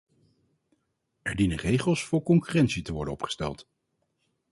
Er dienen regels voor concurrentie te worden opgesteld.